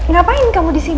ngapain kamu disini